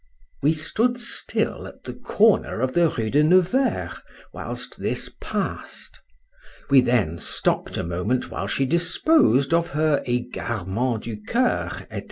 We stood still at the corner of the Rue de Nevers whilst this pass'd.—We then stopped a moment whilst she disposed of her Égarements du Cœur, &c.